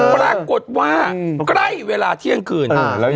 ปรากฏว่าใกล้เวลาเที่ยงคืน